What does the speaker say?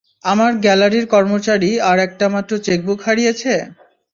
আমার গ্যালারির কর্মচারী আর একটা মাত্র চেকবুক হারিয়েছে?